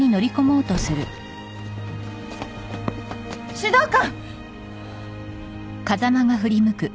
指導官！